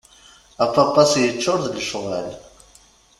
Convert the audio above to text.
Apapas yeččur d lecɣal.